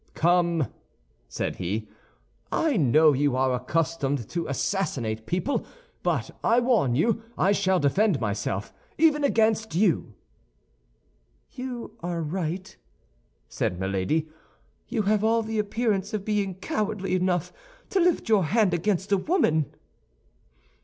"Come!" said he. "I know you are accustomed to assassinate people; but I warn you I shall defend myself, even against you." "You are right," said Milady. "You have all the appearance of being cowardly enough to lift your hand against a woman."